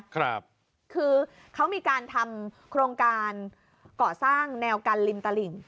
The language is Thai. คือเขามีการทำโครงการก่อสร้างแนวกันริมตลิ่ง